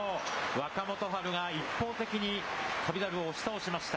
若元春が一方的に翔猿を押し倒しました。